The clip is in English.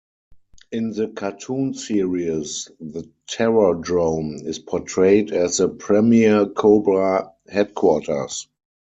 In the cartoon series, the Terror Drome is portrayed as the premiere Cobra headquarters.